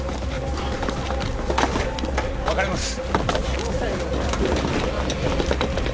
分かれます。